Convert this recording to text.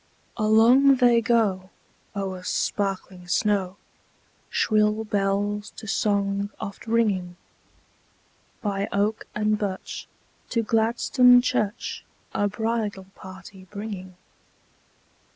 Along they go, o'er sparkling snow, Shrill bells to song oft ringing; By oak and birch, to Gladstone church A bridal party bringing.